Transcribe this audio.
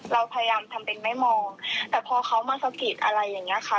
เราพยายามทำเป็นไม่มองแต่พอเขามาสะกิดอะไรอย่างนี้ค่ะ